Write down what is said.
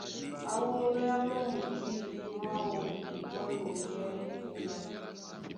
Á wúŋgéá mɔ́ mudî mwáō mwá loŋgɛ́ ó m̀pémbá.